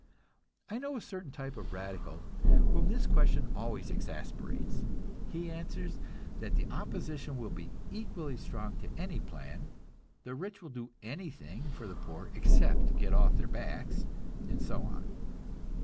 I know a certain type of radical whom this question always exasperates. He answers that the opposition will be equally strong to any plan; the rich will do anything for the poor except get off their backs and so on.